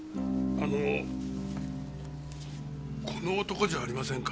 あのこの男じゃありませんか？